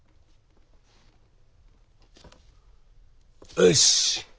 よし！